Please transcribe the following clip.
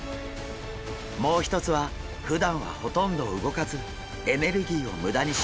もう一つはふだんはほとんど動かずエネルギーを無駄にしないこと。